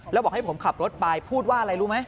แล้วบอกให้ผมขับรถไปพูดว่าอะไรรู้ไหม